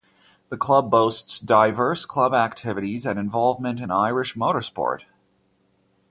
The club boasts diverse club activities and involvement in Irish motorsport.